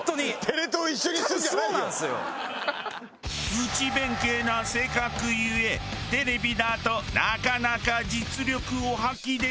内弁慶な性格ゆえテレビだとなかなか実力を発揮できない。